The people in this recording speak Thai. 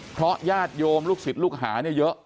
เพราะญาติโยมลูกศิษย์ลูกหาเนี่ยเยอะ